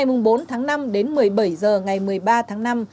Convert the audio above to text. từ bốn tháng năm đến một mươi bảy h ngày một mươi ba tháng năm